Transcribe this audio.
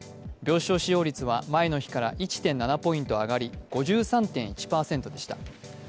病床使用率は前の日から１．７ポイント上がり、５３．１％でした。